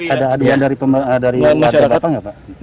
ada aduan dari parpol apa nggak pak